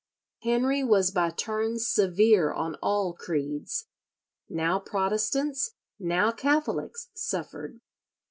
Henry was by turns severe on all creeds. Now Protestants, now Catholics suffered.